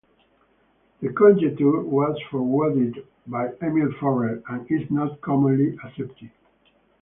The conjecture was forwarded by Emil Forrer and is not commonly accepted.